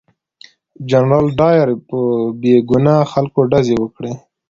جنرال ډایر په بې ګناه خلکو ډزې وکړې.